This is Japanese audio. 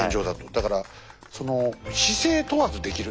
だから「姿勢問わずできる」。